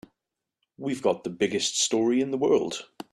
We've got the biggest story in the world.